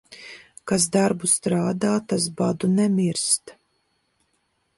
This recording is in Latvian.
Kas darbu strādā, tas badu nemirst.